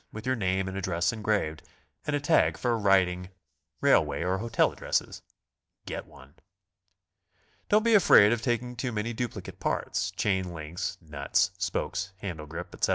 with your name and address engraved, and a tag for writing railway or hotel addresses. Get one. Don't be afraid of taking too many duplicate parts, — chain links, nuts, spokes, handle grip, etc.